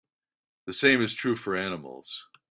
The same is true for animals.